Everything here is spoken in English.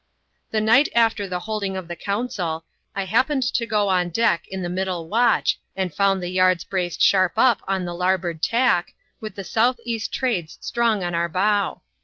The night after the holding of the council, I happened to go on deck in the middle watch, and found the yards braced sharp up on the larboard tack, with the South East Trades strong on our bow.